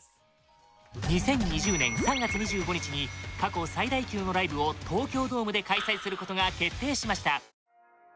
２０２０年３月２５日に過去最大級のライブを東京ドームで開催することが決定しました